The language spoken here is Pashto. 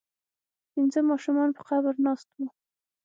پنځه ماشومان په قبر ناست وو.